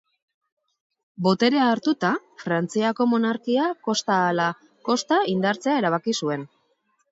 Boterea hartuta, Frantziako monarkia kosta ahala kosta indartzea erabaki zuen.